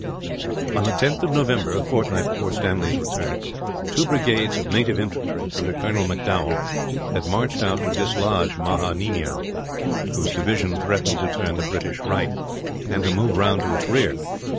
On the 10th of November, a fortnight before Stanley's return, two brigades of native infantry under Colonel M'Dowall had marched out to dislodge Maha Nemiow; whose division threatened to turn the British right, and to move round to its rear.